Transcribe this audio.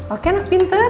oke anak pinter